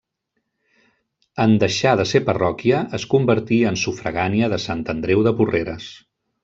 En deixar de ser parròquia, es convertí en sufragània de Sant Andreu de Porreres.